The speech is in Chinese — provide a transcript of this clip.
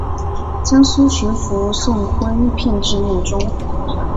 江苏巡抚宋荦聘致幕中。